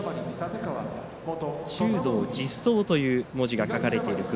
中道実相という文字が書かれています。